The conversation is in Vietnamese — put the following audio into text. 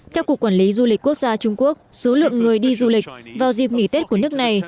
theo cục quản lý du lịch quốc gia trung quốc số lượng người đi du lịch vào dịp nghỉ tết của nước này